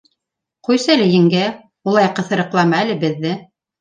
— Ҡуйсәле, еңгә, улай ҡыҫырыҡлама әле беҙҙе.